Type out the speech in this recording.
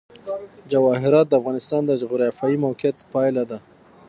جواهرات د افغانستان د جغرافیایي موقیعت پایله ده.